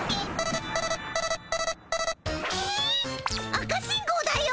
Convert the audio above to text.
赤信号だよ。